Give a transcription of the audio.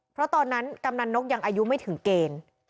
เพราะตอนนั้นกำนันนกยังอายุไม่ถึงเกณฑ์